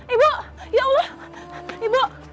ibu ya allah ibu